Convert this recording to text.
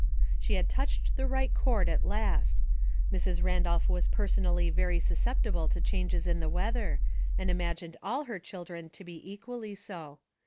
She had touched the right chord at last. Mrs. Randolph was personally very susceptible to changes in the weather, and imagined all her children to be equally so.